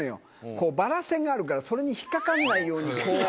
バラ線があるからそれに引っ掛からないようにこう。